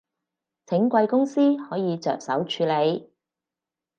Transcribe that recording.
請貴公司可以着手處理